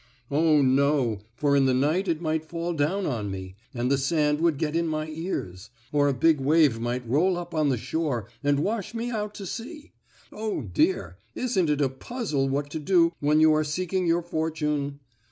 "Oh, no, for in the night it might fall down on me, and the sand would get in my ears. Or a big wave might roll up on the shore and wash me out to sea. Oh, dear, isn't it a puzzle what to do when you are seeking your fortune?"